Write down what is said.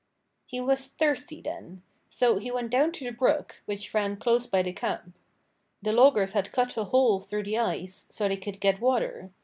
He was thirsty, then. So he went down to the brook, which ran close by the camp. The loggers had cut a hole through the ice, so they could get water.